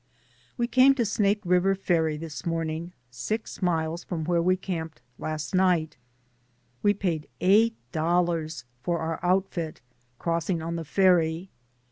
We came to Snake River ferry this morn DAYS ON THE ROAD. 247 ing, six miles from where we caniped last night. We paid eight dollars for our outfit crossing on the ferry.